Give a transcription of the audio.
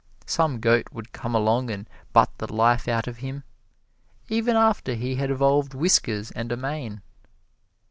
Some goat would come along and butt the life out of him, even after he had evolved whiskers and a mane.